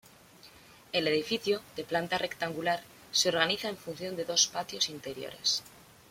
El edificio, de planta rectangular, se organiza en función de dos patios interiores.